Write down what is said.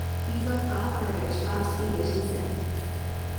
He is of half-Irish, half-Swedish descent.